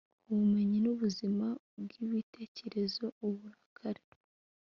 ubumenyi nubuzima bwibitekerezo. - abu bakari